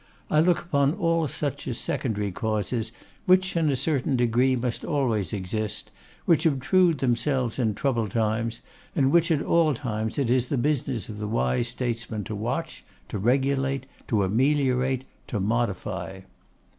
I look upon all such as secondary causes, which, in a certain degree, must always exist, which obtrude themselves in troubled times, and which at all times it is the business of wise statesmen to watch, to regulate, to ameliorate, to modify.